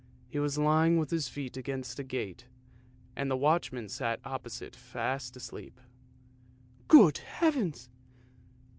He was lying with his feet against a gate, and the watchman sat opposite fast asleep. " Good heavens!